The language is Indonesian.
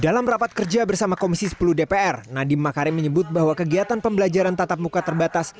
dalam rapat kerja bersama komisi sepuluh dpr nadiem makarim menyebut bahwa kegiatan pembelajaran tatap muka terbatas